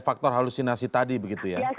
faktor halusinasi tadi begitu ya